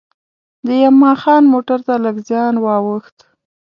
د یما خان موټر ته لږ زیان وا ووښت.